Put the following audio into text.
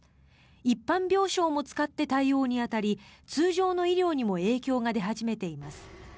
一般病床も使って対応に当たり通常の医療にも影響が出始めています。